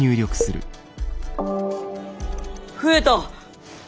増えた！